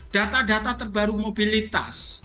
data data terbaru mobilitas